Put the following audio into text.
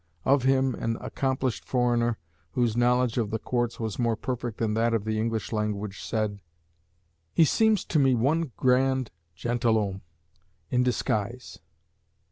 Of him, an accomplished foreigner, whose knowledge of the courts was more perfect than that of the English language, said, 'He seems to me one grand gentilhomme in disguise.'"